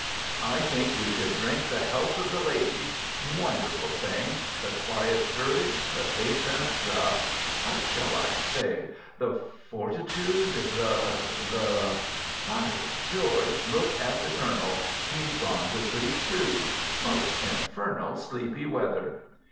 I think we should drink the health of the ladies. Wonderful thing—the quiet courage, the patience, the—what shall I say?—the fortitude, the—the—by George, look at the Colonel! He's gone to sleep, too—most infernal sleepy weather."